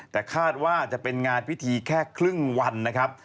แต่คาดว่าจะเป็นงานพิธีแค่ครึ่งวันนะครับ